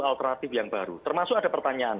alternatif yang baru termasuk ada pertanyaan